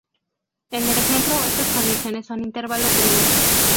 En el ejemplo esas condiciones son intervalos de números.